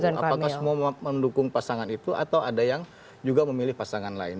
apakah semua mendukung pasangan itu atau ada yang juga memilih pasangan lain